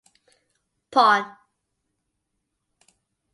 Pon!